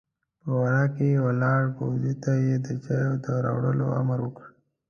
په وره کې ولاړ پوځي ته يې د چايو د راوړلو امر وکړ!